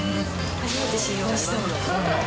初めて知りました。